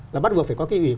là bất buộc phải có cái